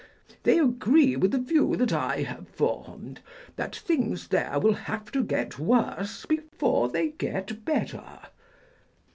They agree with the view that I have formed, that things there will have to get worse before they get better.